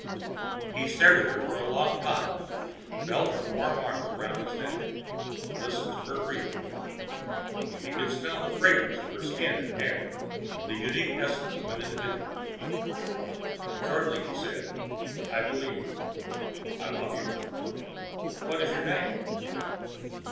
He stared at her for a long moment, felt her warm arms around his neck, listened to her breathing. He could smell the fragrance of her skin and hair, the unique essence of an individual. Slowly he said, "I believe you. I love you. What what is your name?"